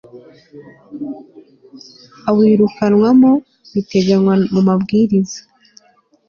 awirukanwamo biteganywa mu mabwiriza